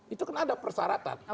itu kan ada persyaratan